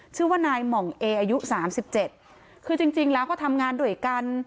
ชื่อว่านายหม่องเออายุ๓๗คือจริงแล้วก็ทำงานด้วยกัน